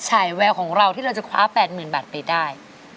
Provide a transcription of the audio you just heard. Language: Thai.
ใกล้อาการที่เราจะคว้า๘๐๐๐๐บาทไปได้